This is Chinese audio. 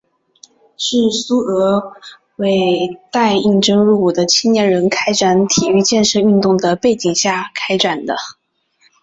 是苏俄为待应征入伍的青年人开展体育健身运动的背景下开展的。